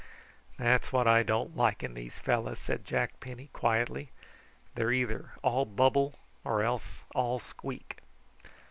"That's what I don't like in these fellows," said Jack Penny quietly; "they're either all bubble or else all squeak."